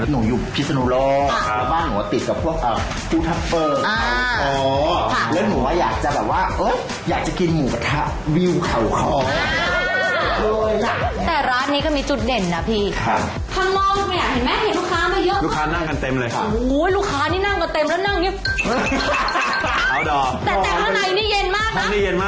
จริงอย่างที่น้องจ๊ะว่าเลยแหละครับคุณผู้ชม